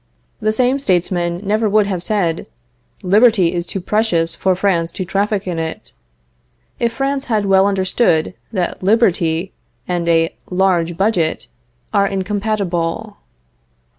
The same statesman never would have said: "Liberty is too precious for France to traffic in it," if France had well understood that liberty and a large budget are incompatible.